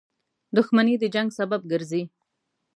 • دښمني د جنګ سبب ګرځي.